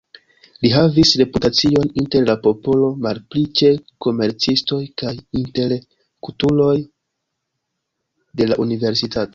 Li havis reputacion inter la popolo, malpli ĉe komercistoj kaj intelektuloj de la universitato.